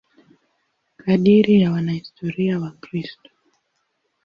Kadiri ya wanahistoria Wakristo.